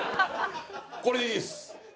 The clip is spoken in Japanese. これでいいです。